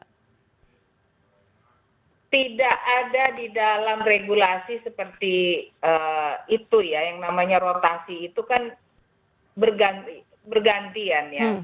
tidak ada di dalam regulasi seperti itu ya yang namanya rotasi itu kan bergantian ya